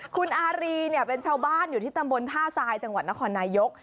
คุณอารีเนี่ยเป็นชาวบ้านอยู่ที่ตำบลท่าทรายจังหวัดนครนายก